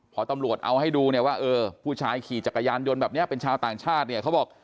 พอตำรวจเอาให้ดูเนี่ยว่าเออผู้ชายขี่จักรยานยนต์แบบนี้เป็นชาวต่างชาติเนี่ยเขาบอก